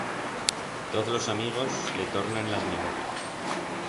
Toz los amigos le tornan las memorias.